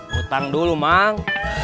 ngutang dulu mang